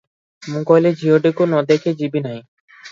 ମୁଁ କହିଲି ଝିଅଟିକୁ ନ ଦେଖି ଯିବି ନାହି ।